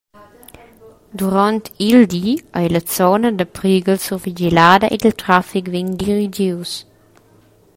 Duront il di ei la zona da prighel survigilada ed il traffic vegn dirigius.